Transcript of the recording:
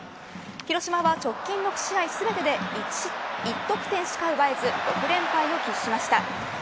広島は直近６試合全てで１得点しか奪えず６連敗を喫しました。